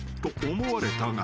思われたが］